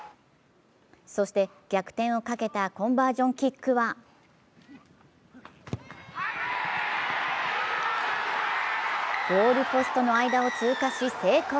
そして逆転をかけたコンバージョンキックはゴールポストの間を通過し、成功。